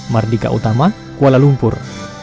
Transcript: mardika utama kuala lumpur